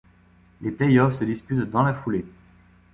Les play-offs se disputent dans la foulée.